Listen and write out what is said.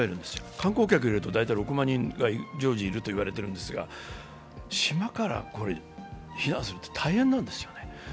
観光客を入れると大体６万人が常時いると言われているんですが島から避難するのって大変なんですね。